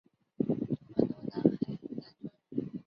广东南海南庄人。